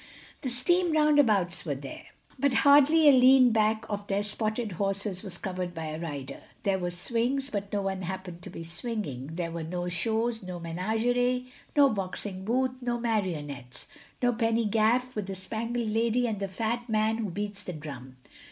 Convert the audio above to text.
The steam roundabouts were there—but hardly a lean back of their spotted horses was covered by a rider. There were swings, but no one happened to be swinging. There were no shows, no menagerie, no boxing booth, no marionettes. No penny gaff with the spangled lady and the fat man who beats the drum.